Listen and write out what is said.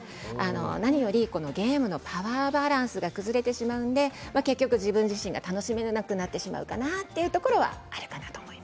なによりゲームのパワーバランスが崩れてしまうので結局、自分自身が楽しめなくなるというところはあるかなと思います。